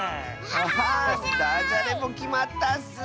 ハハーだじゃれもきまったッス！